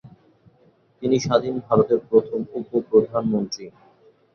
তিনি স্বাধীন ভারতের প্রথম উপ প্রধানমন্ত্রী।